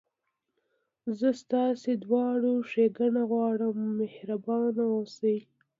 زه ستاسي دواړو ښېګڼه غواړم، مهربانه اوسئ.